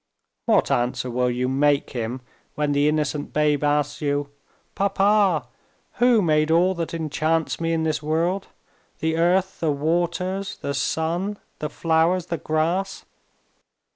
What answer will you make him when the innocent babe asks you: 'Papa! who made all that enchants me in this world—the earth, the waters, the sun, the flowers, the grass?